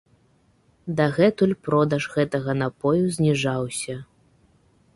Дагэтуль продаж гэтага напою зніжаўся.